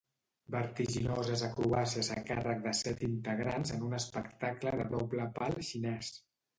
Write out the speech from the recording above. Vertiginoses acrobàcies a càrrec de set integrants en un espectacle de doble pal xinès.